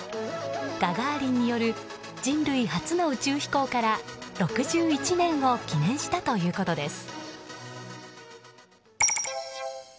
ガガーリンによる人類初の宇宙飛行から６１年を記念したということです。